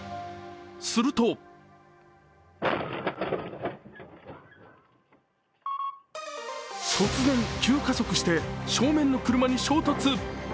すると突然、急加速して正面の車に衝突。